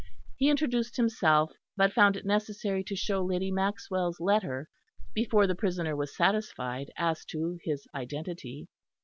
He introduced himself, but found it necessary to show Lady Maxwell's letter before the prisoner was satisfied as to his identity.